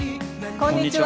こんにちは。